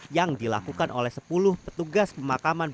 yang dilakukan oleh sepuluh petugas pemakaman